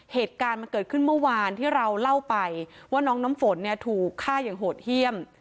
เหตุการณ์มันเกิดขึ้นเมื่อวานที่เราเล่าไปว่าน้องน้ำฝนเนี่ยถูกฆ่าอย่างโหดเยี่ยม